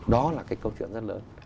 đó là cái câu chuyện rất lớn